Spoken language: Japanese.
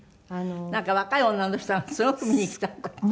なんか若い女の人がすごく見に来たんだって？